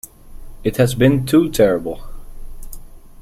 It has been too terrible.